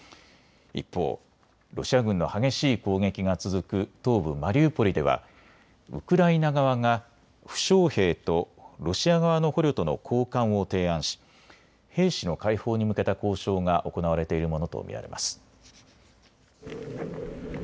一方、ロシア軍の激しい攻撃が続く東部マリウポリではウクライナ側が負傷兵とロシア側の捕虜との交換を提案し兵士の解放に向けた交渉が行われているものと見られます。